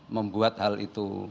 membuat hal itu